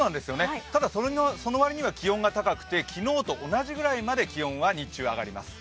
ただ、その割には気温が高くて昨日と同じぐらいまで日中は上がります。